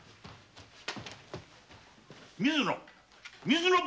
水野！